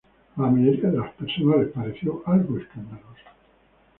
A la mayoría de las personas les pareció algo escandaloso